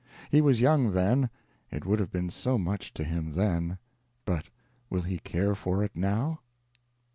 He was young then, it would have been so much to him then; but will he care for it now?